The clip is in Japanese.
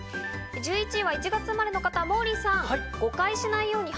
１１位は１月生まれの方、モーリーさん。